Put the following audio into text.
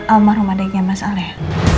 almarum adiknya mas al ya